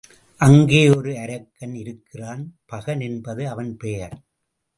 அங்கே ஒரு அரக்கன் இருக்கிறான் பகன் என்பது அவன் பெயர்.